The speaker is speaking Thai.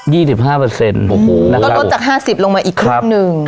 ก็ลดจาก๕๐ลงมาอีกครึ่งหนึ่ง